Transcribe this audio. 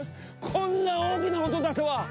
こんな大きな音だとは！